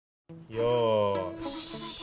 よし。